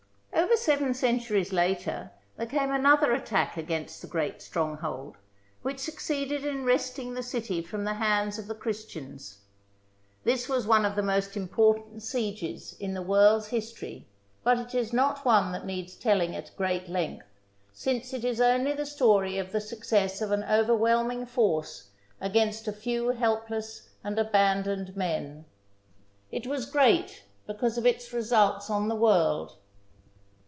Over seven centuries later there came another attack against the great stronghold, which succeed ed in wresting the city from the hands of the Christians. This was one of the most important sieges in the world's history, but it is not one that needs telling at great length, since it is only the story of the success of an overwhelming force against a few helpless and abandoned men. It was great because of its results on the world.